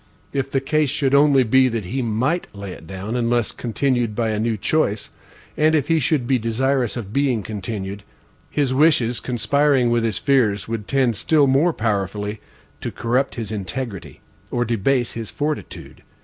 If the case should only be, that he MIGHT lay it down, unless continued by a new choice, and if he should be desirous of being continued, his wishes, conspiring with his fears, would tend still more powerfully to corrupt his integrity, or debase his fortitude.